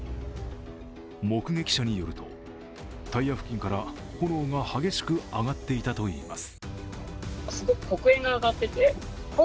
目撃者によると、タイヤ付近から炎が激しく上がっていたといいます。